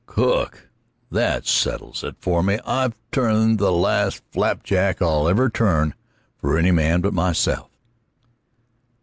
"Cook! That settles it for me; I've turned the last flapjack I'll ever turn for any man but myself."